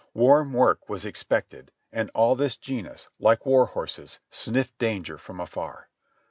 Warm work was expected and all this genus, like war horses, "sniffed danger from afar."